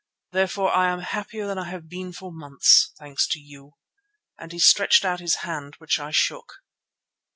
Therefore I am happier than I have been for months, thanks to you," and he stretched out his hand, which I shook.